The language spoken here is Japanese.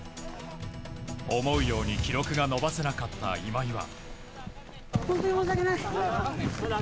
思うように記録が伸ばせなかった今井は。